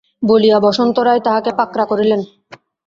বলিয়া বসন্ত রায় তাহাকে পাকড়া করিলেন।